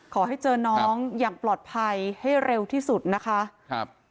ขอให้เจอน้องอย่างปลอดภัยให้เร็วที่สุดนะคะครับ